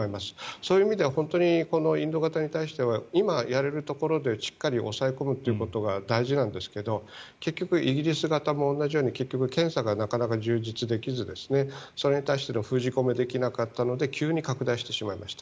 そういう意味では本当にこのインド型に対しては今やれるところでしっかり抑え込むということが大事なんですけど結局、イギリス型も同じように検査がなかなか充実できずそれに対しての封じ込めができなかったので急に拡大してしまいました。